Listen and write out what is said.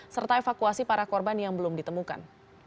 serta evakuasi para korban yang belum ditemukan